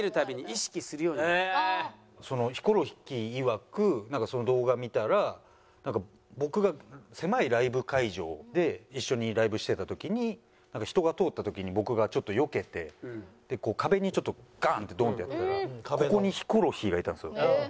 ヒコロヒーいわくなんかその動画見たら僕が狭いライブ会場で一緒にライブしてた時に人が通った時に僕がちょっとよけて壁にちょっとガーンってドーンってやったらここにヒコロヒーがいたんですよ。